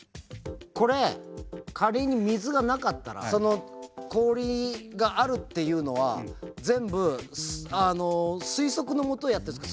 これ仮に水がなかったら氷があるっていうのは全部推測のもとやってるんですか？